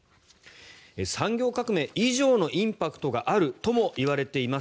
産業革命以上のインパクトがあるともいわれています